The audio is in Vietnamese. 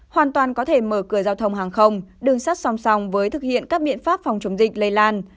hoàn toàn có thể mở cửa giao thông hàng không đường sắt song song với thực hiện các biện pháp phòng chống dịch lây lan